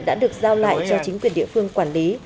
đã được giao lại cho chính quyền địa phương quản lý